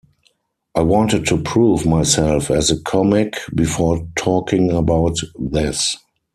I wanted to prove myself as a comic before talking about this.